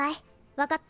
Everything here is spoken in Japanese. わかった？